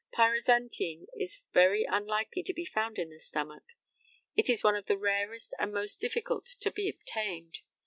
Pyrozantine is very unlikely to be found in the stomach. It is one of the rarest and most difficult to be obtained.